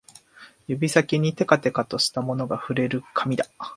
指先にてかてかとしたものが触れる、紙だ